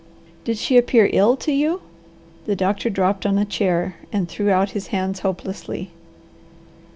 "Did she appear ill to you?" The doctor dropped on a chair and threw out his hands hopelessly.